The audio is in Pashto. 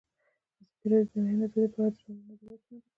ازادي راډیو د د بیان آزادي په اړه د ځوانانو نظریات وړاندې کړي.